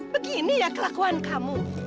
begini ya kelakuan kamu